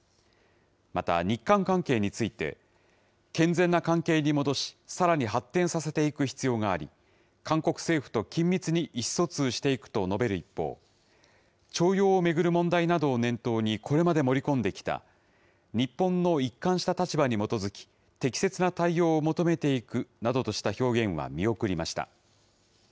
また、日韓関係について、健全な関係に戻し、さらに発展させていく必要があり、韓国政府と緊密に意思疎通していくと述べる一方、徴用を巡る問題などを念頭に、これまで盛り込んできた、日本の一貫した立場に基づき、適切な対応を求めていくなどとした表現は見送りました。